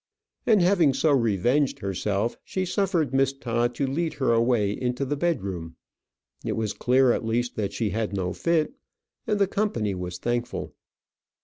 And having so revenged herself, she suffered Miss Todd to lead her away into the bedroom. It was clear at least that she had no fit, and the company was thankful.